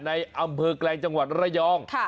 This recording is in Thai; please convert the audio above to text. ในอำเภอแกลงจังหวัดระยอง